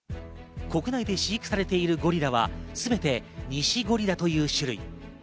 国内で飼育されているゴリラはすべてニシゴリラという種類。